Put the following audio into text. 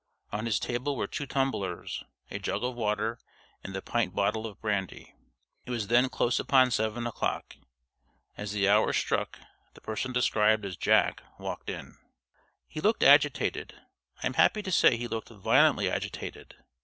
On his table were two tumblers, a jug of water, and the pint bottle of brandy. It was then close upon seven o'clock. As the hour struck the person described as "Jack" walked in. He looked agitated I am happy to say he looked violently agitated.